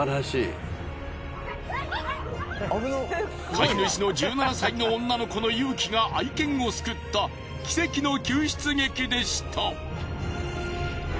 飼い主の１７歳の女の子の勇気が愛犬を救った奇跡の救出劇でした。